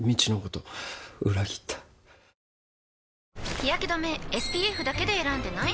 日やけ止めＳＰＦだけで選んでない？